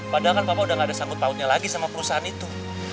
padahal kan papa udah gak ada sangkut pautnya lagi sama perusahaan itu